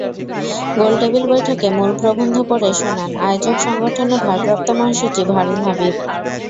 গোলটেবিল বৈঠকে মূল প্রবন্ধ পড়ে শোনান আয়োজক সংগঠনের ভারপ্রাপ্ত মহাসচিব হারুন হাবীব।